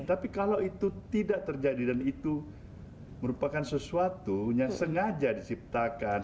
tapi kalau itu tidak terjadi dan itu merupakan sesuatu yang sengaja diciptakan